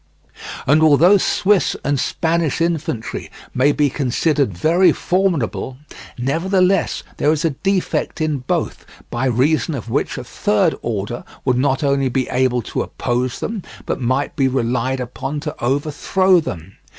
And although Swiss and Spanish infantry may be considered very formidable, nevertheless there is a defect in both, by reason of which a third order would not only be able to oppose them, but might be relied upon to overthrow them.